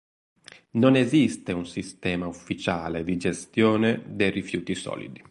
Non esiste un sistema ufficiale di gestione dei rifiuti solidi.